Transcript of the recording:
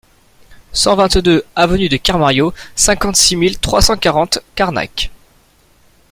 cent vingt-deux avenue de Kermario, cinquante-six mille trois cent quarante Carnac